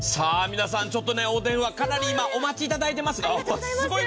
皆さん、お電話、今、かなりお待ちいただいております。